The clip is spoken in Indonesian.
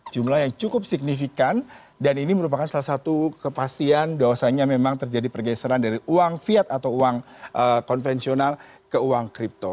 jumlah yang cukup signifikan dan ini merupakan salah satu kepastian bahwasannya memang terjadi pergeseran dari uang viat atau uang konvensional ke uang kripto